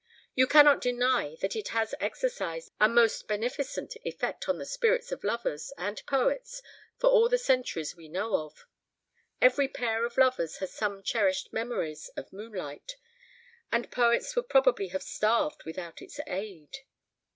You cannot deny that it has exercised a most beneficent effect on the spirits of lovers and poets for all the centuries we know of. Every pair of lovers has some cherished memories of moonlight, and poets would probably have starved without its aid.